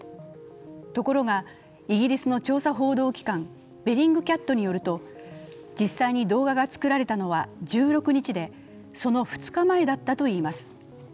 ところが、イギリスの調査報道機関ベリングキャットによると実際に動画が作られたのは１６日でその２日前だったといいます。